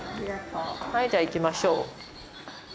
はいじゃあ行きましょう。